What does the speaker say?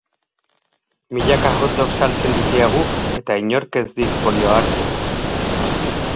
Milaka hot dog saltzen ditiagu eta inork ez dik polioa hartu.